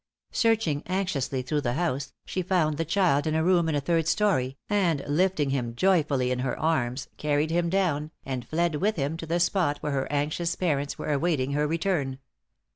Searching anxiously through the house, she found the child in a room in a third story, and lifting him joyfully in her arms, carried him down, and fled with him to the spot where her anxious parents were awaiting her return.